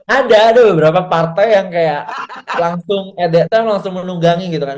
ada ada beberapa partai yang kayak langsung at that time langsung menunggangi gitu kan